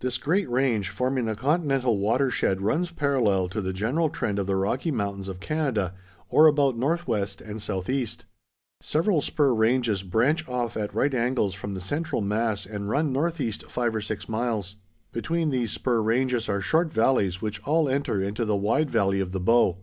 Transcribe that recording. This great range, forming the continental water shed runs parallel to the general trend of the Rocky Mountains of Canada, or about northwest and southeast. Several spur ranges branch off at right angles from the central mass and run northeast five or six miles. Between these spur ranges are short valleys which all enter into the wide valley of the Bow.